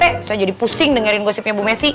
bisa jadi pusing dengerin gosipnya bu messi